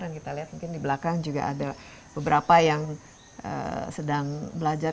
dan kita lihat mungkin di belakang juga ada beberapa yang sedang belajar